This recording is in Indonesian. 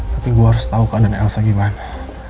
tapi gue harus tahu keadaan elsa gimana